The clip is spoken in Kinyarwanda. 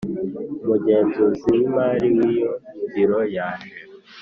Umugenzuzi w imari w iyo biro yaje